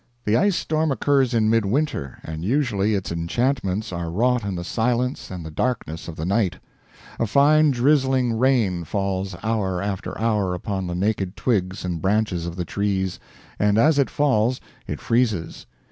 The ice storm occurs in midwinter, and usually its enchantments are wrought in the silence and the darkness of the night. A fine drizzling rain falls hour after hour upon the naked twigs and branches of the trees, and as it falls it freezes.